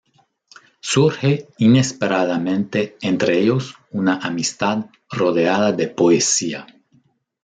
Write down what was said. Surge inesperadamente entre ellos una amistad rodeada de poesía.